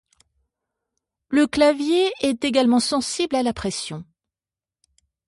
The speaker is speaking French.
Le clavier est également sensible à la pression.